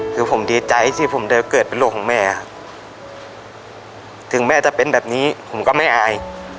คือผมดีใจที่ผมได้เกิดเป็นโรคของแม่ครับถึงแม่จะเป็นแบบนี้ผมก็ไม่อาย